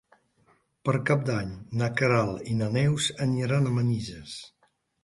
Per Cap d'Any na Queralt i na Neus aniran a Manises.